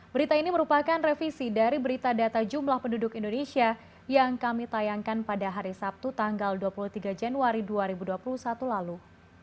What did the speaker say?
berita ini merupakan revisi dari berita data jumlah penduduk indonesia yang kami tayangkan pada hari sabtu tanggal dua puluh tiga januari dua ribu dua puluh satu lalu